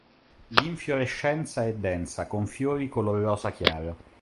L'infiorescenza è densa con fiori color rosa chiaro.